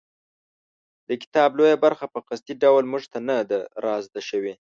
د کتاب لویه برخه په قصدي ډول موږ ته نه ده رازده شوې.